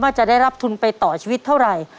ว่าจะได้รับทุนไปต่อชีวิตเท่าไหร่